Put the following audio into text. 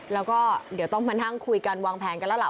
แล้วก็เดี๋ยวต้องมานั่งคุยกันวางแผนกันแล้วล่ะ